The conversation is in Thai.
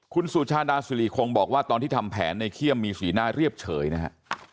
คุณสุชาดาสุริคงบอกว่าตอนที่ทำแผนในเขี้ยมมีสีหน้าเรียบเฉยนะฮะ